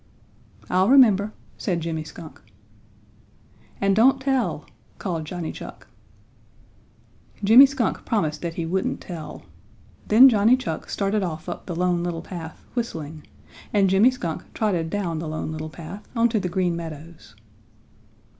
"I'll remember," said Jimmy Skunk. "And don't tell!" called Johnny Chuck. Jimmy Skunk promised that he wouldn't tell. Then Johnny Chuck started off up the Lone Little Path, whistling, and Jimmy Skunk trotted down the Lone Little Path onto the Green Meadows.